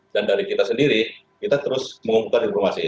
dan dari kita sendiri kita terus mengumpulkan informasi ini